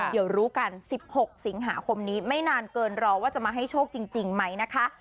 เดี๋ยวรู้กัน๑๖สิงหาคมนี้ไม่นานเกินรอว่าจะมาให้โชคจริงไหมนะคะ